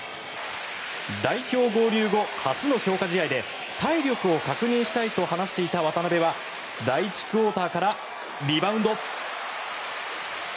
代表合流後初の強化試合で体力を確認したいと話していた渡邊は第１クオーターからリバウンド！